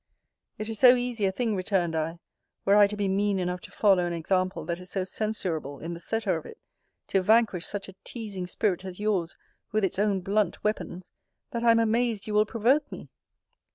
It is so easy a thing, returned I, were I to be mean enough to follow an example that is so censurable in the setter of it, to vanquish such a teasing spirit as your's with its own blunt weapons, that I am amazed you will provoke me!